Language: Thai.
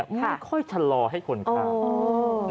ค่อยชะลอให้คนข้าม